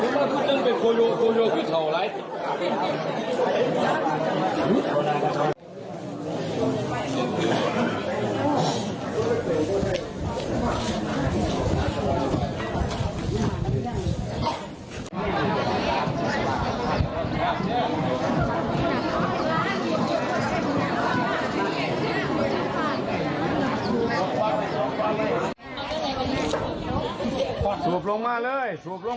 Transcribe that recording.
สูบลงมาเลยสูบลงมาเลย